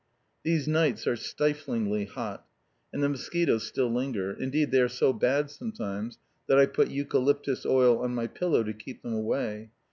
These nights are stiflingly hot. And the mosquitoes still linger. Indeed they are so bad sometimes that I put eucalyptus oil on my pillow to keep them away.